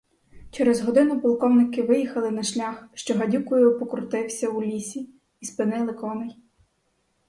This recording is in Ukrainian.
Через годину полковники виїхали на шлях, що гадюкою покрутився у лісі, і спинили коней.